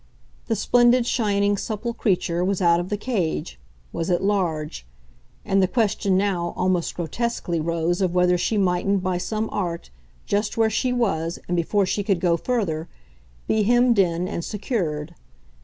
The splendid shining supple creature was out of the cage, was at large; and the question now almost grotesquely rose of whether she mightn't by some art, just where she was and before she could go further, be hemmed in and secured.